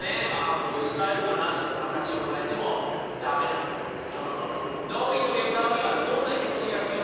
こういうスタイルかなって形を変えても駄目だったんです。